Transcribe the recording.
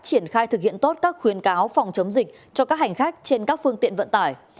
triển khai thực hiện tốt các khuyến cáo phòng chống dịch cho các hành khách trên các phương tiện vận tải